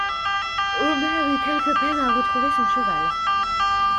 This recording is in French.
Omer eut quelque peine à retrouver son cheval.